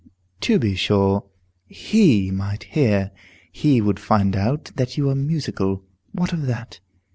"To be sure, he might hear. He would find out that you are musical. What of that?